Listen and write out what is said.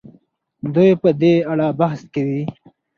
دوی په دې اړه بحث کوي.